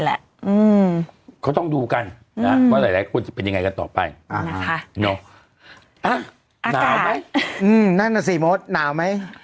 น่าวไหมอืมนั่นน่ะสิโมดน่าวไหม